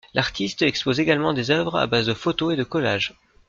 L'artiste expose également des œuvres à base de photos et de collages.